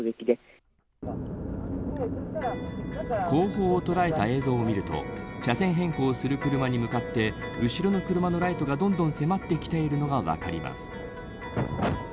後方を捉えた映像を見ると車線変更する車に向かって後ろの車のライトがどんどん迫ってきてるのが分かります。